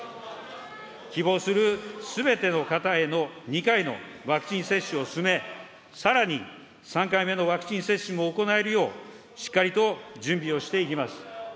希望するすべての方への２回のワクチン接種を進め、さらに３回目のワクチン接種も行えるよう、しっかりと準備をしていきます。